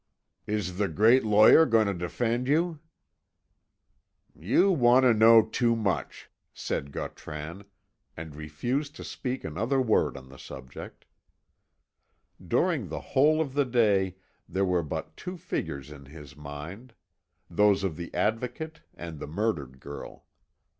"Is the great lawyer going to defend you?" "You want to know too much," said Gautran, and refused to speak another word on the subject. During the whole of the day there were but two figures in his mind those of the Advocate and the murdered girl.